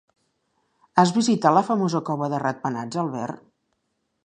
Has visitat la famosa cova de ratpenats, Albert?